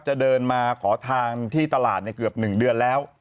จะเดินมาขอทางที่ตลาดเกือบ๑เดือนแล้ว